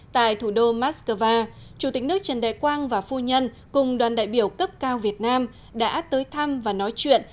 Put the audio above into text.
tại thủ đô moscow chủ tịch nước trần đại quang và phu nhân cùng đoàn đại biểu cấp cao việt nam đã tới thăm và nói chuyện